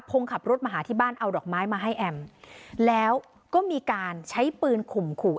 ขับรถมาหาที่บ้านเอาดอกไม้มาให้แอมแล้วก็มีการใช้ปืนข่มขู่